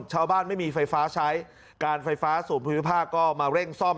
ไม่มีไฟฟ้าใช้การไฟฟ้าส่วนภูมิภาคก็มาเร่งซ่อม